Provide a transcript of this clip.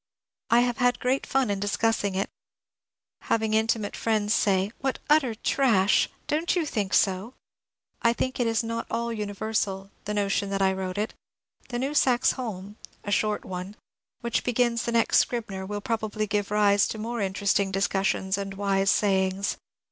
I have had great fun in discussing it, — having intimate friends say, " What utter trash ! Don't you think so ?" I think it is not all universal — the notion that I wrote it. — The new Saxe Holm (a short one) which begins the next Scribner will probably give rise to more interesting discussions and wise sayings.